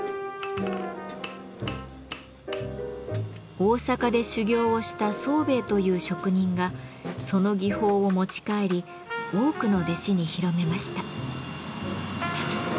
大坂で修業をした宗兵衛という職人がその技法を持ち帰り多くの弟子に広めました。